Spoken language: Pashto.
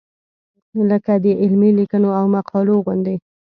لکه د علمي لیکنو او مقالو غوندې.